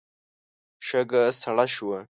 شګه سړه شوه.